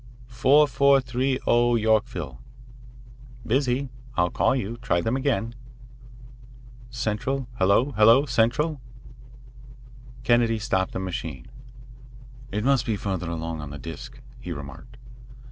Four four three o, Yorkville. Busy, I'll call you. Try them again, Central. Hello, hello, Central " Kennedy stopped the machine. "It must be further along on the disc," he remarked.